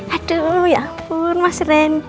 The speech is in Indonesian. aduh ya ampun mas ren